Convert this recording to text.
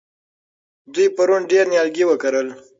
دوی پرون ډېر نیالګي وکرل.